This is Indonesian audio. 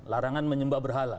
larangan menyembah berhala